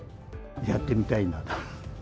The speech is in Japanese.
やってみたいなと。